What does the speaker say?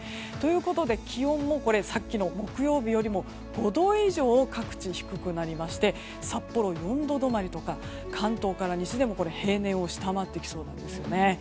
ということで気温も木曜日よりも５度以上各地、低くなりまして札幌４度止まりとか関東から西でも平年を下回ってきそうです。